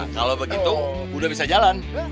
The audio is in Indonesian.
kalau begitu udah bisa jalan